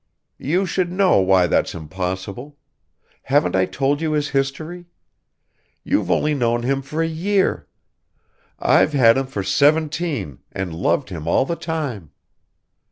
"You should know why that's impossible. Haven't I told you his history? You've only known him for a year. I've had him for seventeen and loved him all the time."